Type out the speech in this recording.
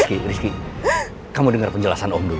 aku gak mau jadi penghalang hubungan mama sama om alex